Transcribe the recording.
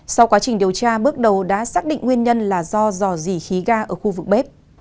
sau quá trình điều tra bước đầu đã xác định nguyên nhân là do dò dỉ khí ga ở khu vực bếp